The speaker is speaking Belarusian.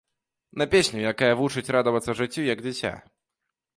На песню, якая вучыць радавацца жыццю як дзіця.